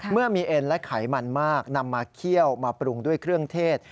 เมื่อมีเอ็นและไขมันมากนำมาเคี่ยวมาปรุงด้วยเครื่องเทศ